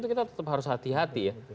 kita tetap harus hati hati ya